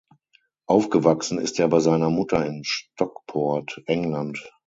Aufgewachsen ist er bei seiner Mutter in Stockport, England.